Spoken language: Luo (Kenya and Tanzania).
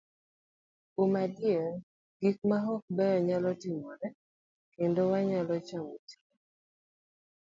Kuom adier, gik maok beyo nyalo timore, kendo wanyalo chamo ring'o.